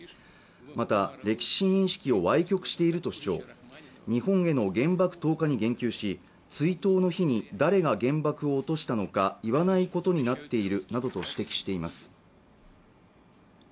また歴史認識を歪曲していると主張日本への原爆投下に言及し追悼の日に誰が原爆を落としたのか言わないことになっているなどと指摘しています